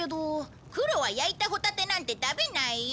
クロは焼いたホタテなんて食べないよ。